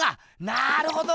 なるほど！